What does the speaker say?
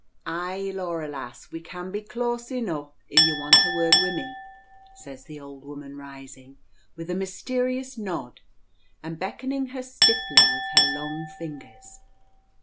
"Ay, Laura lass, we can be clooas enoo, if ye want a word wi' me," says the old woman, rising, with a mysterious nod, and beckoning her stiffly with her long fingers.